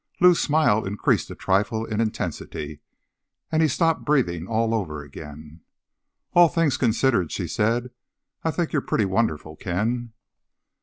Lou's smile increased a trifle in intensity and he stopped breathing all over again. "All things considered," she said, "I think you're pretty wonderful, Ken."